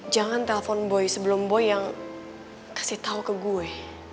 jangan telpon boy sebelum boy yang kasih tahu ke gue